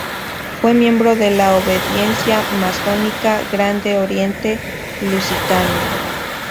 Fue miembro de la obediencia masónica Grande Oriente Lusitano.